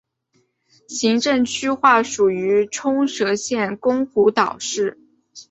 行政区划属于冲绳县宫古岛市。